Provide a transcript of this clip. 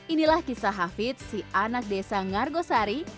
inilah kisah hafid si anak desa ngargosari